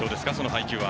配球は。